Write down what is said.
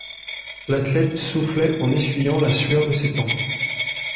L'athlète soufflait en essuyant la sueur de ses tempes.